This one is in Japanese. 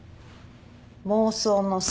妄想の想。